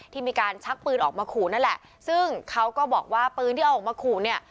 ที่มีการชักปืนออกมาขู่นั่นแหละซึ่งเขาก็บอกว่าปืนที่เอาออกมาขู่เนี่ย